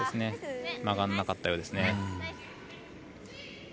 曲がらなかったようです。